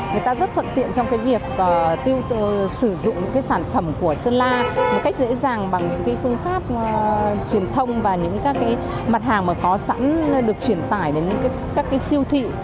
người ta rất thuận tiện trong việc sử dụng sản phẩm của sơn la một cách dễ dàng bằng phương pháp truyền thông và những mặt hàng có sẵn được truyền tải đến các siêu thị